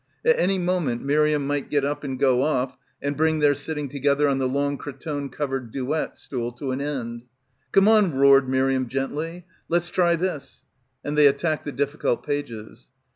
At any moment Miriam might get up and go off and bring their sitting together on the long cretonne covered duet stool to an end. "Come on," roared Miriam gently, "let's try this"; and they attacked the difficult pages.